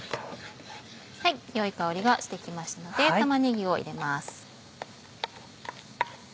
良い香りがして来ましたので玉ねぎを入れます。